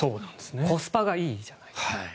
コスパがいいじゃないですか。